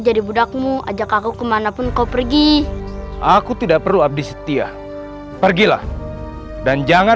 jadi budakmu ajak aku ke manapun kau pergi aku tidak perlu abdi setia pergilah dan jangan